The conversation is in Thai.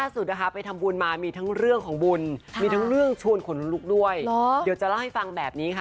สุดนะคะไปทำบุญมามีทั้งเรื่องของบุญชวนด้วยเดี๋ยวจะเล่าให้ฟังแบบนี้ค่ะ